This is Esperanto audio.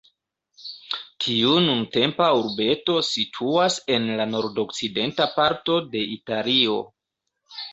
Tiu nuntempa urbeto situas en la nordokcidenta parto de Italio.